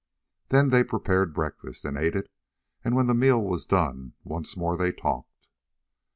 Then they prepared breakfast, and ate it, and when the meal was done once more they talked.